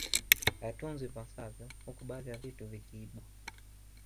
Hayatunzwi ipasavyo huku baadhi ya vitu vikiibwa